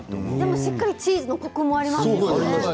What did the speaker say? しっかりチーズのコクもありますね。